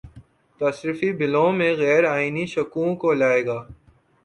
تصرفی بِلوں میں غیرآئینی شقوں کو لائے گا